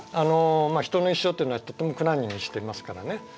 人の一生というのはとても苦難に満ちていますからね